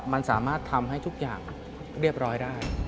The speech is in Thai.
มันสามารถทำให้ทุกอย่างเรียบร้อยได้